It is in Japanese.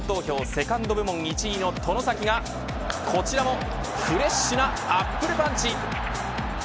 セカンド部門１位の外崎がこちらもフレッシュなアップルパンチ。